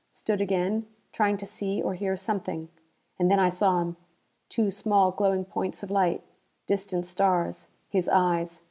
Stood again, trying to see or hear something. And then I saw him! Two small glowing points of light. Distant stars. His eyes!